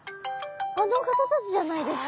あの方たちじゃないですか？